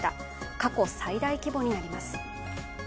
過去最大規模になります。